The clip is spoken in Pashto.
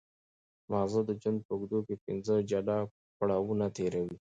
ماغزه د ژوند په اوږدو کې پنځه جلا پړاوونه تېروي.